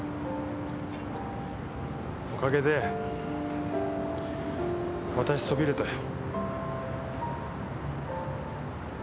おかげで渡しそびれたよ。